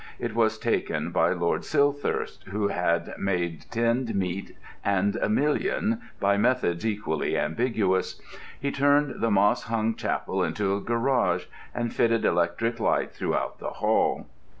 It was taken by Lord Silthirsk, who had made tinned meat and a million by methods equally ambiguous. He turned the moss hung chapel into a garage, and fitted electric light throughout the Hall.